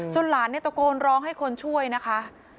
หลานเนี่ยตะโกนร้องให้คนช่วยนะคะ